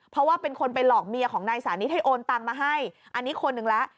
เพราะว่าเป็นคนไปหลอกเมียของนายสานิทให้โอนตังมาให้อันนี้คนหนึ่งแล้ว